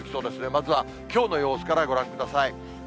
まずはきょうの様子からご覧ください。